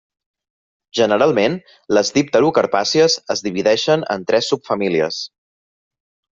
Generalment les dipterocarpàcies es divideixen en tres subfamílies.